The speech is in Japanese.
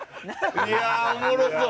いやおもろそう。